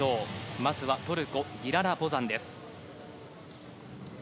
まずはトルコ、ディララ・ボザンです。